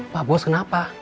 pak bos kenapa